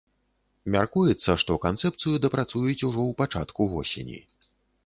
Мяркуецца, што канцэпцыю дапрацуюць ужо ў пачатку восені.